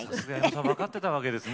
分かってたわけですね。